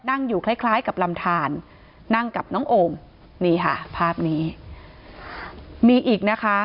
นั่งอยู่คล้ายคล้ายกับลำทานนั่งกับน้องโอมนี่ค่ะภาพนี้มีอีกนะคะ